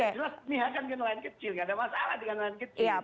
ya jelas nihakan ke nelayan kecil tidak ada masalah dengan nelayan kecil